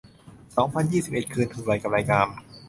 สองพันยี่สิบเอ็ด คืนทุนไว กำไรงาม